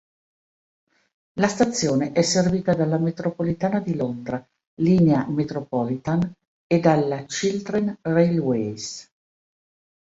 La stazione è servita dalla metropolitana di Londra, Linea Metropolitan e dalla Chiltern Railways.